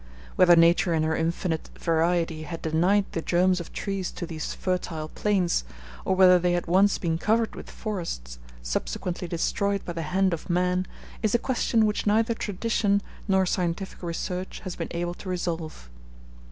Whether Nature in her infinite variety had denied the germs of trees to these fertile plains, or whether they had once been covered with forests, subsequently destroyed by the hand of man, is a question which neither tradition nor scientific research has been able to resolve.